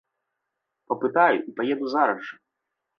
Папытаю і паеду зараз жа.